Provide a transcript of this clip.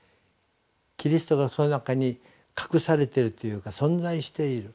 キリストがその中に隠されているというか存在している。